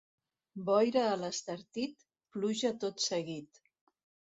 Boira a l'Estartit, pluja tot seguit.